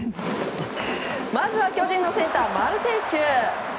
まずは巨人のセンター丸選手。